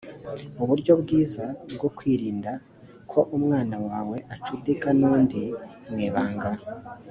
uburyo bwiza bwo kwirinda ko umwana wawe acudika n undi mu ibanga